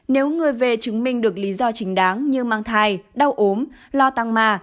nếu người về chứng minh được lý do chính đáng như mang thai đau ốm lo tăng mà